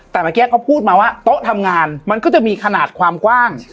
แต่เมื่อกี้เขาพูดมาว่าโต๊ะทำงานมันก็จะมีขนาดความกว้าง